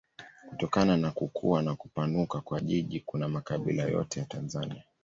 Kutokana na kukua na kupanuka kwa jiji kuna makabila yote ya Tanzania.